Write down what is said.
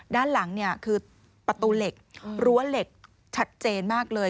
ด้านหลังเนี่ยคือประตูเหล็กรั้วเหล็กชัดเจนมากเลย